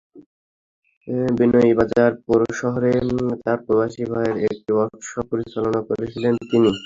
বিয়ানীবাজার পৌর শহরে তাঁর প্রবাসী ভাইয়ের একটি ওয়ার্কশপ পরিচালনা করছিলেন তিনি।